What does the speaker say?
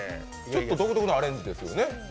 独特のアレンジですよね。